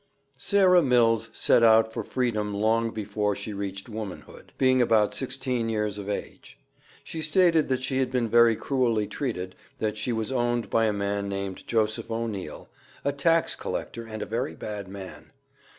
Sarah Mills set out for freedom long before she reached womanhood; being about sixteen years of age. She stated that she had been very cruelly treated, that she was owned by a man named Joseph O'Neil, "a tax collector and a very bad man."